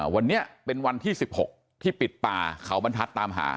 วันนี้เป็นวันที่๑๖ที่ปิดป่าเขาบรรทัศน์ตามหา